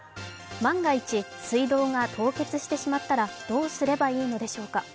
万が一、水道が凍結してしまったらどうすればいいのでしょうか。